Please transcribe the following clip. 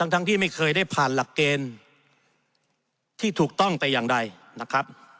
ทั้งที่ไม่เคยได้ผ่านหลักเกณฑ์ที่ถูกต้องแต่อย่างใดนะครับ